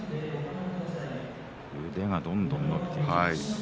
腕がどんどん伸びていきました。